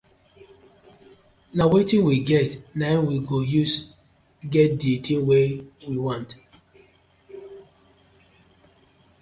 Na wetin we get naim we go use get di tin wey we want.